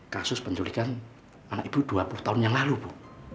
kasus penculikan anak ibu dua puluh tahun yang lalu bu